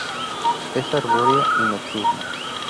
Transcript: Es arbórea y nocturna.